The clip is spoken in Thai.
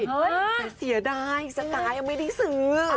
แต่เสียดายสกายยังไม่ได้ซื้อ